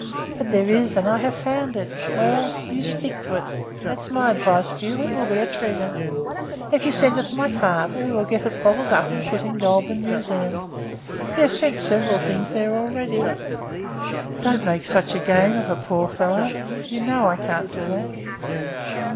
"But there is, and I have found it." "Well, you stick to it that's my advice to you. It will be a treasure. If you send it to my father he will get it bottled up and put it in the Goulburn museum. He has sent several things there already." "Don't make such a game of a poor devil. You know I can't do that."